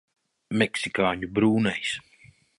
Meksikāņu brūnais.